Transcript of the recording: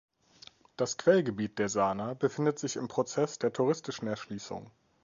Das Quellgebiet der Sana befindet sich im Prozess der touristischen Erschließung.